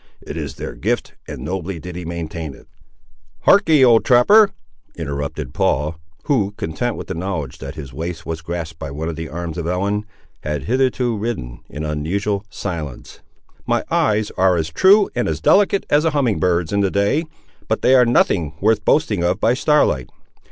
It is their gift, and nobly did he maintain it!" "Harkee, old trapper," interrupted Paul, who, content with the knowledge that his waist was grasped by one of the arms of Ellen, had hitherto ridden in unusual silence; "my eyes are as true and as delicate as a humming bird's in the day; but they are nothing worth boasting of by starlight.